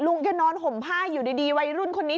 แกนอนห่มผ้าอยู่ดีวัยรุ่นคนนี้